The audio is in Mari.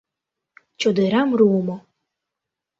— Чодырам руымо.